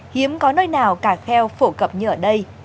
hiếm có nơi nào cả kheo phổ cập như ở đây